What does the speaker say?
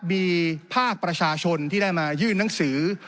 มีภาคประชาชนที่ได้มายื่นหนังสือ